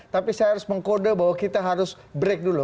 tapi saya harus mengkode bahwa kita harus break dulu